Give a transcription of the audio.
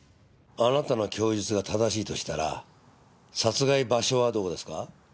あなたの供述が正しいとしたら殺害場所はどこですか？